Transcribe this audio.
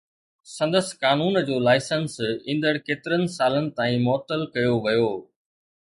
سندس قانون جو لائسنس ايندڙ ڪيترن سالن تائين معطل ڪيو ويو.